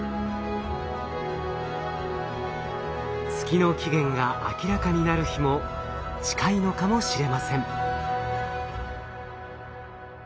月の起源が明らかになる日も近いのかもしれません。